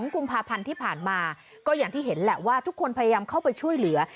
กุมภาพันธ์ที่ผ่านมาก็อย่างที่เห็นแหละว่าทุกคนพยายามเข้าไปช่วยเหลือ